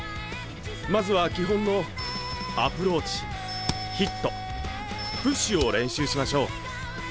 まずは基本のアプローチヒットプッシュを練習しましょう。